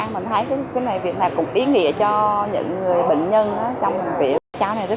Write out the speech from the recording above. mình thấy việc này cũng ý nghĩa cho những người bệnh nhân trong bệnh viện